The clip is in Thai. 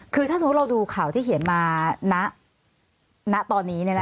คือถ้าสมมุติเราดูข่าวที่เขียนมาณตอนนี้